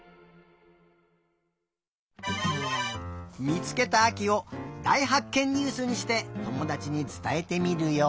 みつけたあきをだいはっけんニュースにしてともだちにつたえてみるよ。